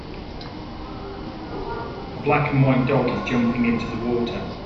A black and white dog is jumping into the water.